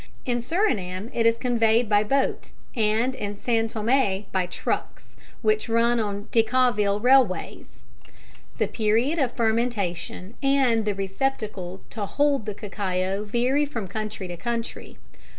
In Surinam it is conveyed by boat, and in San Thomé by trucks, which run on Decauville railways. The period of fermentation and the receptacle to hold the cacao vary from country to country.